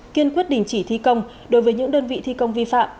kiên quyết đình chỉ thi công đối với những đơn vị thi công vi phạm